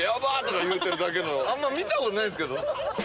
あんま見たことないですけど。